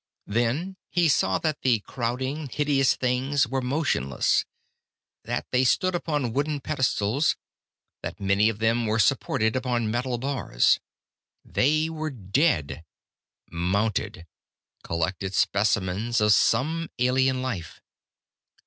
Then he saw that the crowding, hideous things were motionless, that they stood upon wooden pedestals, that many of them were supported upon metal bars. They were dead. Mounted. Collected specimens of some alien life.